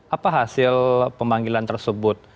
apa hasil pemanggilan tersebut